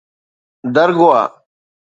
Dargwa